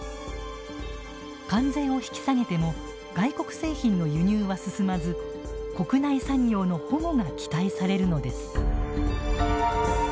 関税を引き下げても外国製品の輸入は進まず国内産業の保護が期待されるのです。